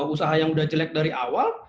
usaha yang udah jelek dari awal